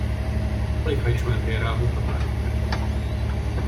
Aligha ismertél rá a hurkapálcikádra.